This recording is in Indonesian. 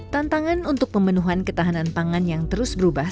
tantangan untuk pemenuhan ketahanan pangan yang terus berubah